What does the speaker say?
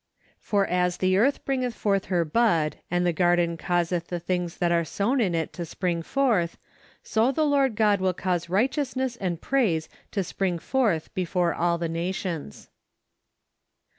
" For as the earth bringeth forth her bud , and the garden causeth the things that are sown in it to spring forth; so the Lord God icill cause righteous¬ ness and praise to spring forth before all the nations."